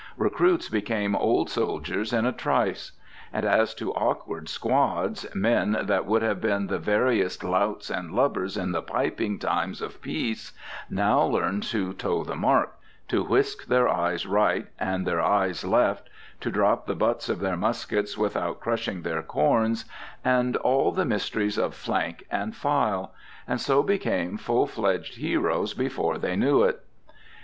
Recruits became old soldiers in a trice. And as to awkward squads, men that would have been the veriest louts and lubbers in the piping times of peace now learned to toe the mark, to whisk their eyes right and their eyes left, to drop the butts of their muskets without crushing their corns, and all the mysteries of flank and file, and so became full fledged heroes before they knew it.